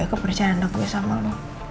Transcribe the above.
jaga kepercayaan aku sama lo